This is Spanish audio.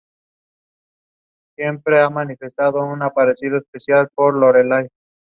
Nacido en el seno de una familia campesina, no recibió educación formal.